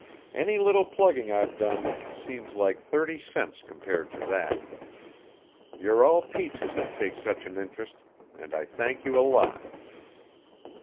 "Any little plugging I've done seems like thirty cents compared to that. You're all peaches to take such an interest, and I thank you a lot.